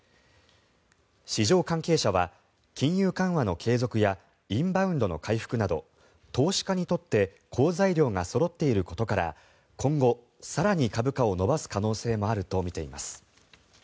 市場関係者は金融緩和の継続やインバウンドの回復など投資家にとって好材料がそろっていることから今後更に株価を伸ばす可能性もあるとみています。